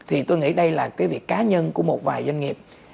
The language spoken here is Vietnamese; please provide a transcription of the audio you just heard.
thì tôi nghĩ đây là cái việc cá nhân của một vài doanh nghiệp